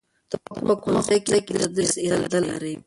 ته په کوم ښوونځي کې د تدریس اراده لرې؟